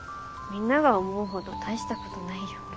みんなが思うほど大したことないよ。